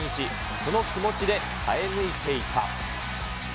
その気持ちで耐え抜いていた。